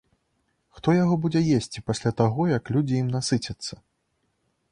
Хто яго будзе есці пасля таго, як людзі ім насыцяцца?